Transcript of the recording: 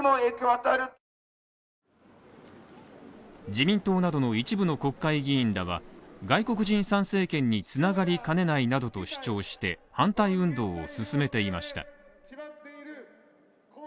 自民党などの一部の国会議員らは、外国人参政権に繋がりかねないなどと主張して反対運動を進めていました。